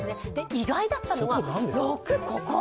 意外だったのが６、ここ。